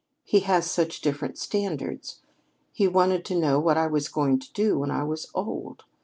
He has such different standards. He wanted to know what I was going to do when I was old.